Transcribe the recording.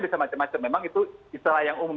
bisa macam macam memang itu istilah yang